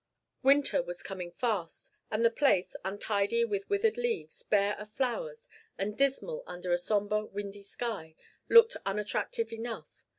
Winter was coming fast, and the place, untidy with withered leaves, bare of flowers, and dismal under a sombre, windy sky, looked unattractive enough.